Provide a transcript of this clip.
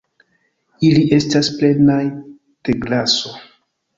Ili estas plenaj de graso